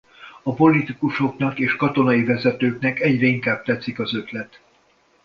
A politikusoknak és katonai vezetőknek egyre inkább tetszik az ötlet.